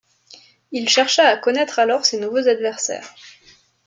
Il chercha à connaître alors ses nouveaux adversaires.